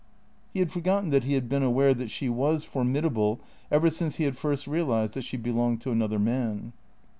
(He had forgotten that he had been aware that she was formidable ever since he had first realized that she belonged to another man.)